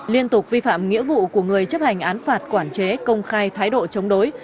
liên tục vi phạm nghĩa vụ của người chấp hành án phạt quản chế công khai thái độ chống đối